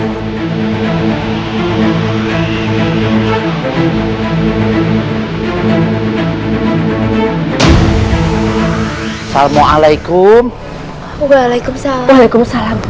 assalamualaikum waalaikumsalam waalaikumsalam